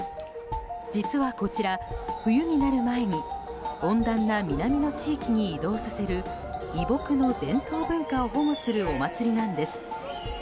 実はこちら、冬になる前に温暖な南の地域に移動させる移牧の伝統文化を保護するお祭りなんです。